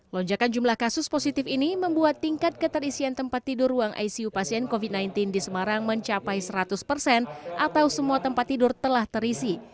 lonjakan jumlah kasus positif ini membuat tingkat keterisian tempat tidur ruang icu pasien covid sembilan belas di semarang mencapai seratus persen atau semua tempat tidur telah terisi